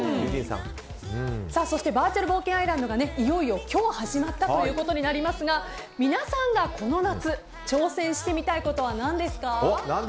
そしてバーチャル冒険アイランドがいよいよ今日始まったということになりますが皆さんがこの夏挑戦してみたいことは何ですか？